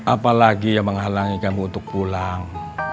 apa lagi yang menghalangi kamu untuk pulang